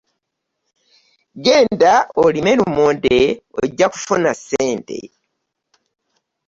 Genda olime lumonde oja kufuna ssente.